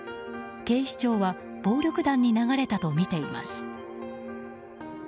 警視庁は暴力団に流れたとみています。